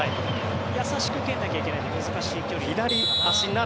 優しく蹴らなきゃいけないので難しい距離かな。